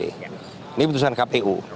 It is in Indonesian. ini keputusan kpu